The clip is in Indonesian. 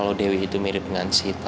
kalau dewi itu mirip dengan sita